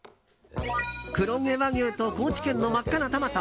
黒毛和牛と高知県の真っ赤なトマト。